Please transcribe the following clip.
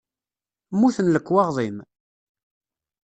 Mmuten lekwaɣeḍ-im?